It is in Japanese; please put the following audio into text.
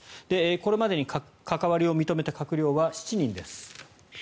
これまでに関わりを認めた閣僚は７人です。